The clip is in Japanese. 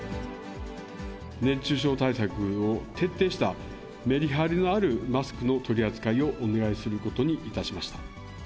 熱中症対策を徹底した、メリハリのあるマスクの取り扱いをお願いすることにいたしました。